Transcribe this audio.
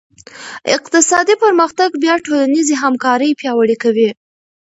اقتصادي پرمختګ بیا ټولنیزې همکارۍ پیاوړې کوي.